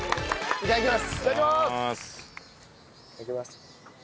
いただきます。